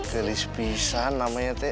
kelispisan namanya teh